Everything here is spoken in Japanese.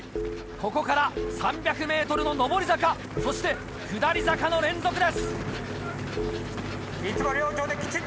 ここから３００ｍの上り坂そして下り坂の連続です。